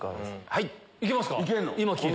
はい。